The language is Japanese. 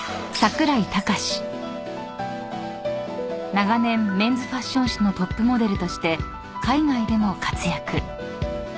［長年メンズファッション誌のトップモデルとして海外でも活躍］